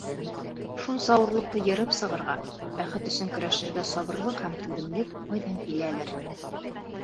Шунса ауырлыҡты йырып сығырға, бәхет өсөн көрәшергә сабырлыҡ һәм түҙемлек ҡайҙан киләлер?!